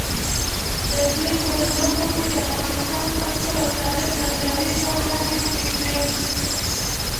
د دوی په لوبو کې د افغانستان کلتور او تاریخ نندارې ته وړاندې کېږي.